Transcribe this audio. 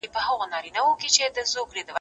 ولي مدام هڅاند د وړ کس په پرتله ژر بریالی کېږي؟